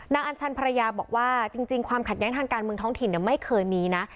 อัญชันภรรยาบอกว่าจริงความขัดแย้งทางการเมืองท้องถิ่นไม่เคยมีนะ